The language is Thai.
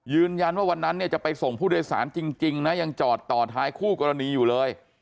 วันนั้นเนี่ยจะไปส่งผู้โดยสารจริงนะยังจอดต่อท้ายคู่กรณีอยู่เลย